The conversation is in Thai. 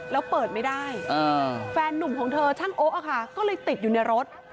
แล้วเปิดไม่ได้แฟนนุ่มของเธอช่างโอ๊ะค่ะก็เลยติดอยู่ในรถ